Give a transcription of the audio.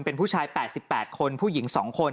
เป็นผู้ชาย๘๘คนผู้หญิง๒คน